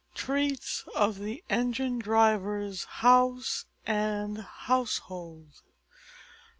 TREATS OF THE ENGINE DRIVER'S HOUSE AND HOUSEHOLD.